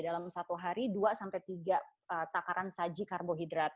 dalam satu hari dua sampai tiga takaran saji karbohidrat